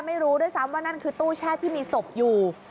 ไม่รู้ด้วยซ้ำว่านั่นคือตู้แช่ที่มีศพอยู่